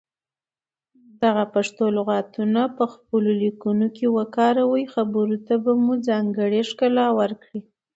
دغه پښتو لغتونه په خپلو ليکنو کې وکاروئ خبرو ته مو ځانګړې ښکلا ورکوي.